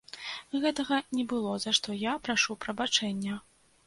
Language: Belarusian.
Гэтага не было, за што я прашу прабачэння.